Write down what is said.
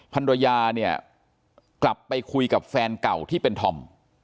ภรรยาเนี่ยกลับไปคุยกับแฟนเก่าที่เป็นธอม